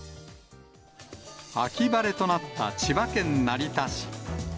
秋晴れとなった千葉県成田市。